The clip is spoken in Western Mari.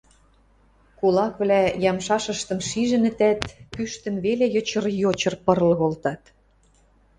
Кулаквлӓ ямшашыштым шижӹнӹтӓт, пӱштӹм веле йочыр-йочыр пырыл колтат...